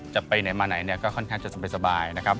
จะไปไหนมาไหนก็ค่อนข้างจะสบาย